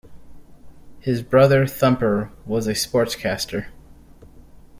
His brother Thumper was a sportscaster.